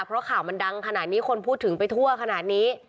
เพราะข่าวมันดังขนาดนี้คนพูดถึงไปทั่วขนาดนี้